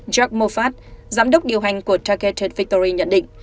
jack moffat giám đốc điều hành của targeted victory nhận định